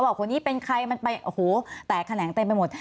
ว่าคนนี้เป็นใครมันไปโอ้โหแตกแขนงเต็มไปหมด